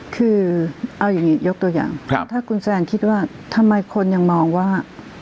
คือเอาอย่างนี้ยกตัวอย่างถ้าคุณแซนคิดว่าทำไมคนยังมองว่า